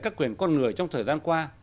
các quyền con người trong thời gian qua